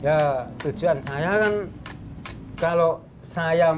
ya tujuan saya kan kalau saya masih bisa mandiri